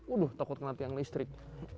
udah takut nanti yang listrik